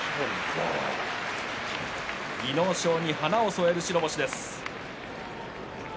技能賞に花を添える白星です。